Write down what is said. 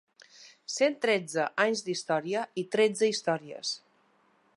Cent tretze anys d’història i tretze històries.